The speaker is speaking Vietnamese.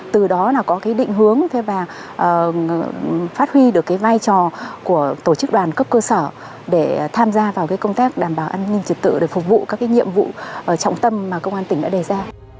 từ đó là có cái định hướng và phát huy được vai trò của tổ chức đoàn cấp cơ sở để tham gia vào công tác đảm bảo an ninh trật tự để phục vụ các nhiệm vụ trọng tâm mà công an tỉnh đã đề ra